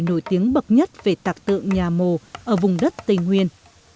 nổi tiếng bậc nhất về tạc tượng nhà mồ ở vùng đất tây nguyên